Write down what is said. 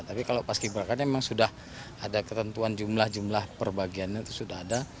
tapi kalau paski berakanya memang sudah ada ketentuan jumlah jumlah perbagiannya itu sudah ada